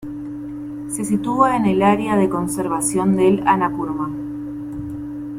Se sitúa en el Área de Conservación del Annapurna.